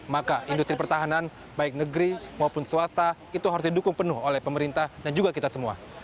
maka industri pertahanan baik negeri maupun swasta itu harus didukung penuh oleh pemerintah dan juga kita semua